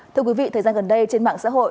thưa quý vị thời gian gần đây trên mạng xã hội